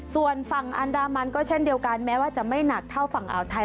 ส่วนฝั่งอันดามันก็เช่นเดียวกันแม้ว่าจะไม่หนักเท่าฝั่งอ่าวไทย